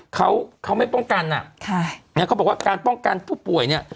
เขาเขาไม่ป้องกันอ่ะค่ะนะเขาบอกว่าการป้องกันผู้ป่วยเนี่ย